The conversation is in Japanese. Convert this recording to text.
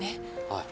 はい。